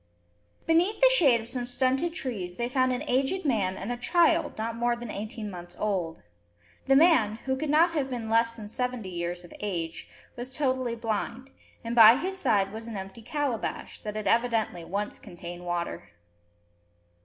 Beneath the shade of some stunted trees they found an aged man and a child not more than eighteen months old. The man, who could not have been less than seventy years of age, was totally blind; and by his side was an empty calabash, that had evidently once contained water.